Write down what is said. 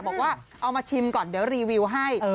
บอกว่าเอามาชิมก่อนเดี๋ยวรีวิวให้